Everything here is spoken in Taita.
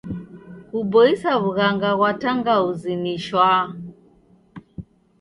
Kuboisa w'ughanga ghwa tangauzi ni shwaa.